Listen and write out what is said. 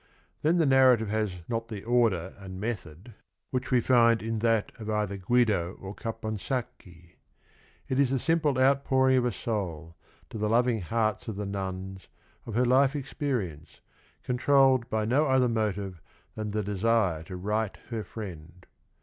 Then the narrative has not the order and method which we find in that POMPILIA 109 of either Guido or Caponsacchi; it is th e simple outpouring of a soul, to the loving hearts oTThe nuriS7 of her lite experience, controlled by no other motive than the desire to right her frien d.